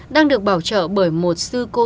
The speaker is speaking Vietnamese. đang được bảo trợ bởi một sư cô